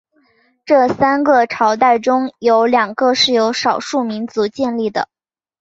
这三个朝代中有两个是由少数民族建立的。